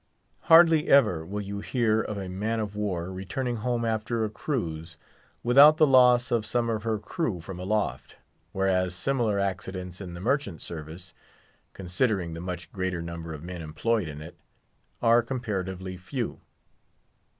Hardly ever will you hear of a man of war returning home after a cruise, without the loss of some of her crew from aloft, whereas similar accidents in the merchant service—considering the much greater number of men employed in it—are comparatively few.